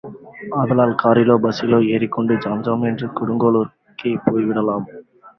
ஆதலால் காரிலோ பஸ்ஸிலோ ஏறிக் கொண்டு jam jam என்று கொடுங்கோளூருக்கே போய் விடலாம்.